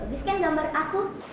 bagus kan gambar aku